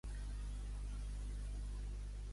Podries enviar a la Queralt un correu electrònic?